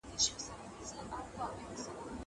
زه به درسونه لوستي وي!!